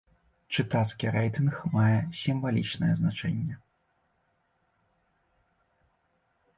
Чытацкі рэйтынг мае сімвалічнае значэнне.